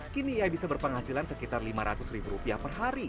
kini ia bisa berpenghasilan sekitar lima ratus ribu rupiah per hari